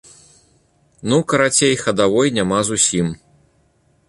Ну, карацей, хадавой няма зусім.